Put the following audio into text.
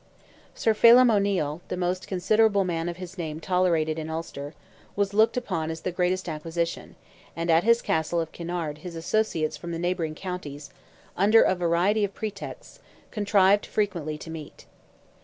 Sir Phelim O'Neil, the most considerable man of his name tolerated in Ulster, was looked upon as the greatest acquisition, and at his castle of Kinnaird his associates from the neighbouring counties, under a variety of pretexts, contrived frequently to meet.